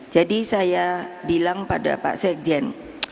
jadi saya bilang pada pak sekjen